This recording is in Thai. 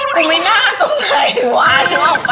กูไม่น่ะตรงไนวะท้องออกปะ